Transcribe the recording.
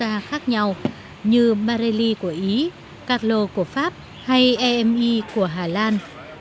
những quạt cổ khác nhau như marelli của ý carlo của pháp hay emi của hà lan